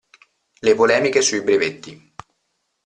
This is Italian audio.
Le polemiche sui brevetti.